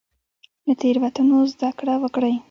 له تیروتنو زده کړه وکړئ